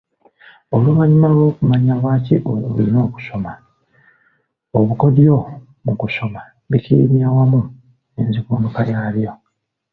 Oluvannyuma lw’okumanya lwaki olina okusoma, obukodyo mu kusoma, bikirimya wamu n’enzivunuuka yaabyo.